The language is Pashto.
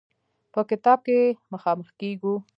په کتاب کې مخامخ کېږو.